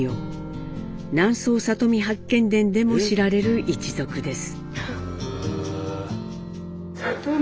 「南総里見八犬伝」でも知られる一族です。